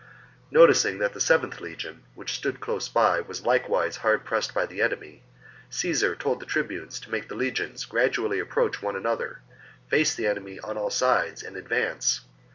26. Noticing that the 7th legion, which stood close by, was likewise hard pressed by the enemy, Caesar told the tribunes to make the legions gradually approach one another, face the enemy on all sides, and advance.'